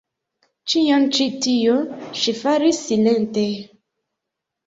Ĉion ĉi tion ŝi faris silente.